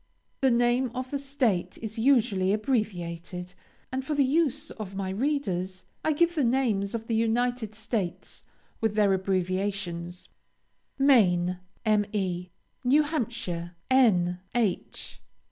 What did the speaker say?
The name of the state is usually abbreviated, and for the use of my readers, I give the names of the United States with their abbreviations: Maine, Me. New Hampshire, N. H.